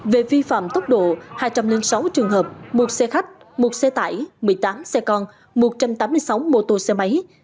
về vi phạm tốc độ hai trăm linh sáu trường hợp một xe khách một xe tải một mươi tám xe con một trăm tám mươi sáu mô tô xe máy